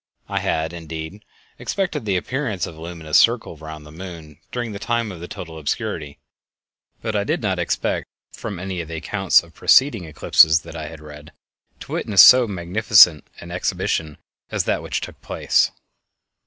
I had, indeed, expected the appearance of a luminous circle round the moon during the time of total obscurity; but I did not expect, from any of the accounts of preceding eclipses that I had read, to witness so magnificent an exhibition as that which took place...